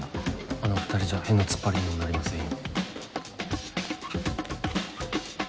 あの２人じゃ屁の突っ張りにもなりませんよ。